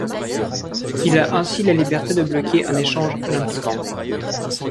Il a ainsi la liberté de bloquer un échange l'impliquant.